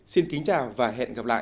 xin kính chào và hẹn gặp lại